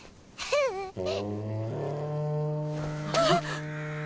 ・あっ！